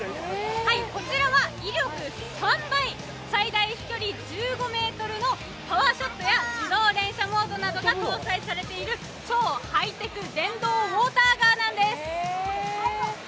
こちらは威力３倍、最大飛距離１５ｍのパワーショットや自動連射も搭載されている、超ハイテク電動ウォーターガンなんです。